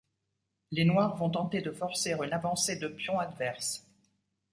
Les Noirs vont tenter de forcer une avancée de pion adverse.